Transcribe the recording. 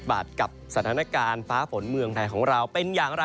บาทกับสถานการณ์ฟ้าฝนเมืองไทยของเราเป็นอย่างไร